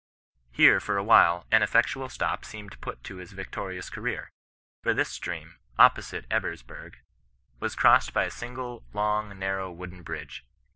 Here, for a while, an effectual stop seemed put to his victorious career, for this stream, opposite Ebersberg, was crossed by a single long, narrow, wooden bridge.